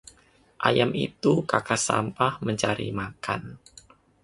ayam itu kakas sampah mencari makan